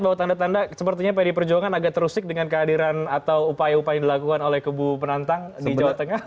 bahwa tanda tanda sepertinya pd perjuangan agak terusik dengan kehadiran atau upaya upaya yang dilakukan oleh kebu penantang di jawa tengah